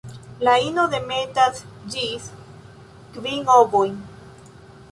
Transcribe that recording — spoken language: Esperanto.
La ino demetas ĝis kvin ovojn.